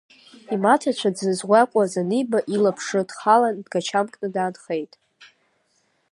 Имаҭацәа дзызгәаҟуаз аниба, илаԥш рыдхалан, дгачамкны даанхеит.